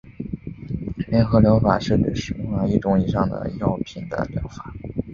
联合疗法是指使用了一种以上的药品的疗法。